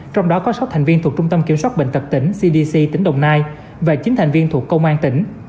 trong đó có sáu thành viên thuộc trung tâm kiểm soát bệnh tật tỉnh cdc tỉnh đồng nai và chín thành viên thuộc công an tỉnh